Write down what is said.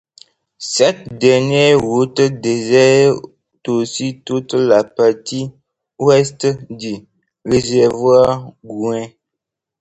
Cette dernière route dessert aussi toute la partie Ouest du réservoir Gouin.